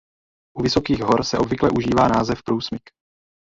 U vysokých hor se obvykle užívá název průsmyk.